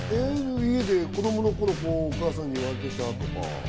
家で子供の頃、お母さんに言われてきたとか。